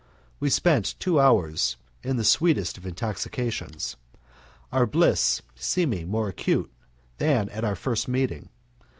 We spent two hours in the sweetest of intoxications, our bliss seeming more acute than at our first meeting.